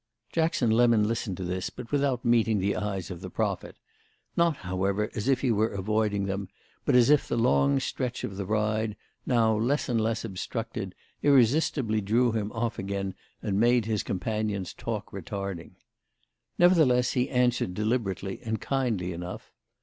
Jackson Lemon listened to this, but without meeting the eyes of the prophet; not, however, as if he were avoiding them, but as if the long stretch of the Ride, now less and less obstructed, irresistibly drew him off again and made his companion's talk retarding. Nevertheless he answered deliberately and kindly enough.